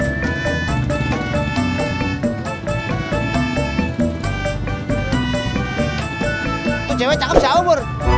itu cewek cakep jawa pur